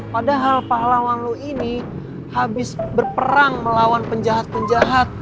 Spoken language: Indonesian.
padahal pahlawang lu ini habis berperang melawan penjahat penjahat